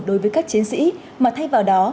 đối với các chiến sĩ mà thay vào đó